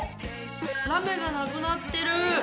ラメがなくなってる！